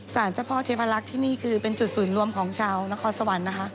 เจ้าพ่อเทพลักษณ์ที่นี่คือเป็นจุดศูนย์รวมของชาวนครสวรรค์นะคะ